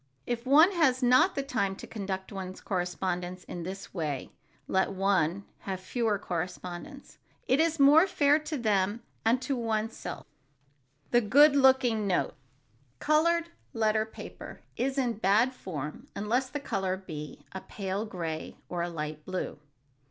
If one has not the time to conduct one's correspondence in this way, let one have fewer correspondents. It is more fair to them and to one's self. [Sidenote: THE GOOD LOOKING NOTE] Colored letter paper is in bad form unless the color be a pale gray or a light blue.